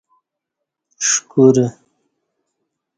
ݜکورہ